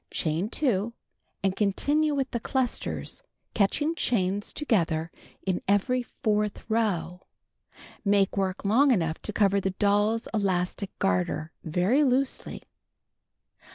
Chain 2 and continue with the clusters, catching chains together in every fourth row. Make work long enough to cover the doll's elastic garter very loosely.